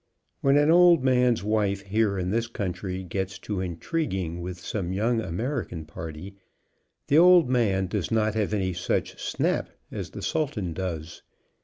\Vhen an old man's wife, here in this country, gets to intriguing with some young American party, the old man does not have any such snap as the Sultan does.